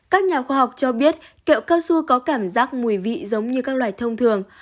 các nhà khoa học cho biết kẹo cao su có cảm giác mùi vị giống như các loài thông thường